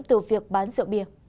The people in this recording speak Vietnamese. từ việc bán rượu bia